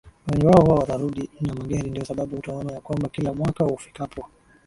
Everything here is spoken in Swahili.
Wengi wao huwa wanarudi na magari ndiyo sababu utaona ya kwamba kila mwaka ufikapo